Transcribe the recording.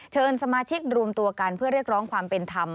สมาชิกรวมตัวกันเพื่อเรียกร้องความเป็นธรรม